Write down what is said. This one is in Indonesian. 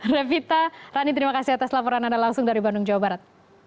revita rani terima kasih atas laporan anda langsung dari bandung jawa barat